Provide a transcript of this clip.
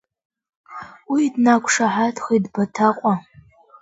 Уи днақәшаҳаҭхеит Баҭаҟәа.